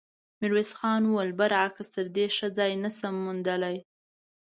ميرويس خان وويل: برعکس، تر دې ښه ځای نه شم موندلی.